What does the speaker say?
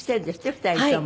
２人とも。